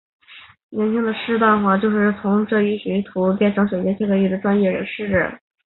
年轻的施华洛世奇就是在这里从一个学徒成为人造水晶切割工艺行业的专业人士。